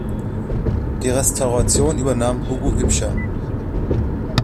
Die Restauration übernahm Hugo Ibscher.